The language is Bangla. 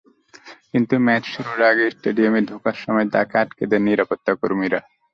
কিন্তু ম্যাচ শুরুর আগে স্টেডিয়ামে ঢোকার সময় তাঁকে আটকে দেন নিরাপত্তাকর্মীরা।